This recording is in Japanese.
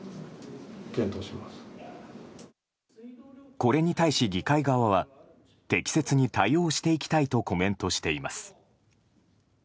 これに対し、議会側は適切に対応していきたいとコメントしています。